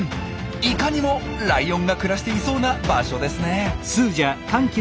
いかにもライオンが暮らしていそうな場所ですね！